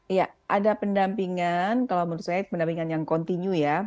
iya ada pendampingan kalau menurut saya pendampingan yang kontinu ya